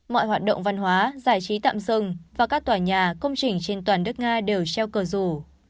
mọi hoạt động văn hóa giải trí tạm dừng và các tòa nhà công trình trên toàn nước nga đều treo cờ rủ